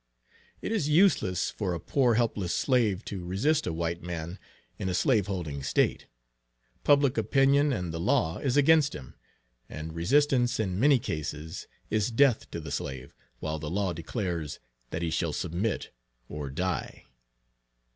It is useless for a poor helpless slave, to resist a white man in a slaveholding State. Public opinion and the law is against him; and resistance in many cases is death to the slave, while the law declares, that he shall submit or die.